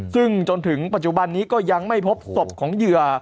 ซึ่งจนถึงปัจจุบันนี้ก็ยังไม่พบศพของเหยื่อ